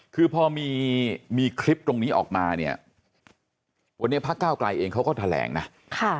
คือพอมีมีคลิปตรงนี้ออกมาเนี่ยวันนี้พระเก้าไกลเองเขาก็แถลงนะค่ะ